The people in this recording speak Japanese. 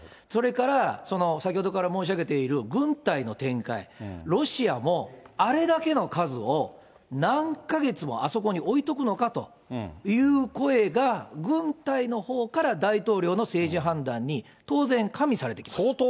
それから、先ほどから申し上げている軍隊の展開、ロシアもあれだけの数を、何か月もあそこに置いとくのかという声が、軍隊のほうから大統領の政治判断に当然、加味されてきます。